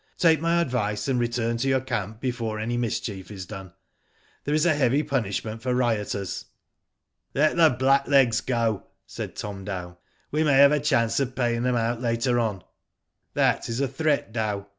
Take my advice and return to your camp before any mischief is done. There is a heavy punishment for rioters." Let the blacklegs go/' said Tom Dow, " we may have a chance of paying them out later on/' "That is a threat, Dow.